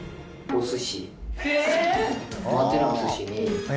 おすし。